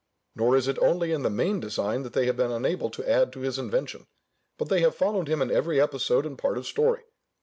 Nor is it only in the main design that they have been unable to add to his invention, but they have followed him in every episode and part of story.